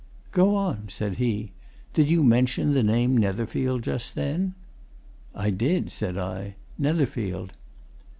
"Go on!" said he. "Did you mention the name Netherfield just then?" "I did," said I. "Netherfield."